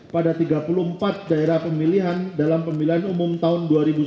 pada tiga puluh empat daerah pemilihan dalam pemilihan umum tahun dua ribu sembilan belas